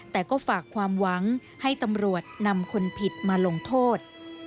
แต่ก็ฝากความหวังให้ตำรวจนำคนผิดมาลงโทษ